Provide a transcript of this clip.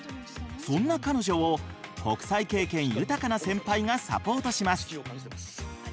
そんな彼女を国際経験豊かな先輩がサポートします。